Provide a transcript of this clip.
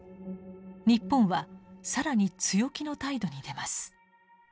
日本は更に強気の態度に出ます。